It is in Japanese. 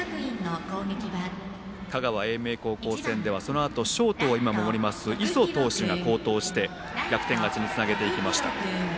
香川・英明高校戦ではそのあと今、ショートを守ります磯投手が好投して逆転勝ちにつなげていきました。